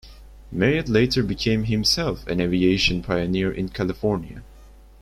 Marriott later became himself an aviation pioneer in California.